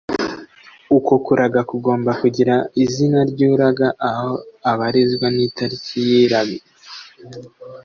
uko kuraga kugomba kugira izina ry'uraga aho abarizwa n'itariki y'irage